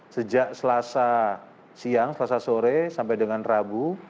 sejak selasa siang selasa sore sampai dengan rabu